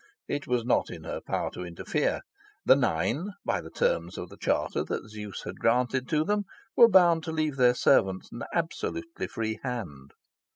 It was not in her power to interfere. The Nine, by the terms of the charter that Zeus had granted to them, were bound to leave their servants an absolutely free hand.